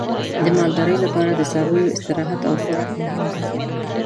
د مالدارۍ لپاره د څارویو استراحت او خوراک مهم دی.